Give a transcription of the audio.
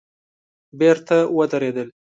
بېرته ودرېدل.